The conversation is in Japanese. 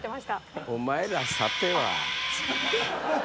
お前らさては。